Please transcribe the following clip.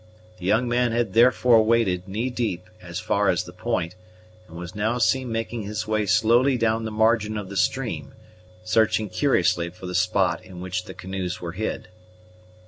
The young man had therefore waded, knee deep, as far as the point, and was now seen making his way slowly down the margin of the stream, searching curiously for the spot in which the canoes were hid.